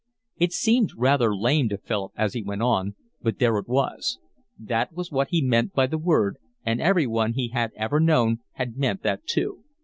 It seemed rather lame to Philip as he went on, but there it was: that was what he meant by the word, and everyone he had ever known had meant that too.